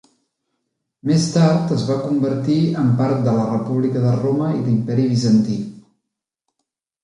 Més tard es va convertir en part de la República de Roma i l"Imperi Bizantí.